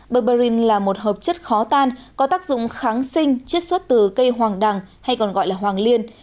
barbarin là một hợp chất khó tan có tác dụng kháng sinh chiết xuất từ cây hoàng đằng hay còn gọi là hoàng liên